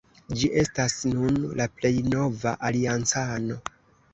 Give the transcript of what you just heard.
Ĝi estas nun la plej nova aliancano.